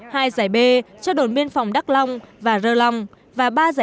hai giải b cho đồn biên phòng đắc long và rơ long